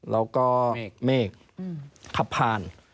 แล้วก็เมฆขับผ่าน